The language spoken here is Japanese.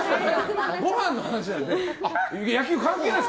ごはんの話なんで。